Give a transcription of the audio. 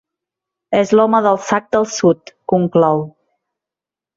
És l'home del sac del sud —conclou—.